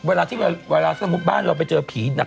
เวลาที่เวลาสมมุติบ้านเราไปเจอผีหนัก